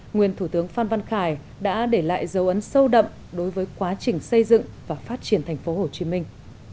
nguyên thủ tướng phan văn khải đã để lại dấu ấn sâu đậm đối với quá trình xây dựng và phát triển thành phố hồ chí minh